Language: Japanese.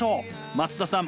松田さん